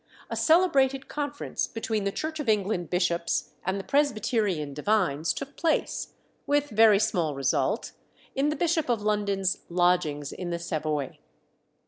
a celebrated conference between the Church of England bishops and the Presbyterian divines took place, with very small result, in the Bishop of London's lodgings in the Savoy.